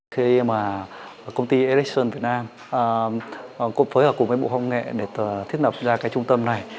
khi mà công ty election việt nam phối hợp cùng với bộ công nghệ để thiết lập ra cái trung tâm này